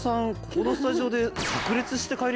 ここのスタジオで。